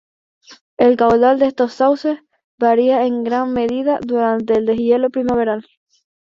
El caudal de estos cauces varía en gran medida durante el deshielo primaveral.